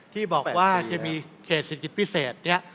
ที่บอกว่าจะมีเขตเศรษฐกิจพิเศษเนี่ย